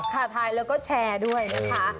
ถ่ายแล้วก็แชร์ด้วยนะคะ